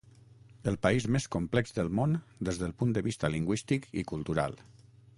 El país més complex del món des del punt de vista lingüístic i cultural.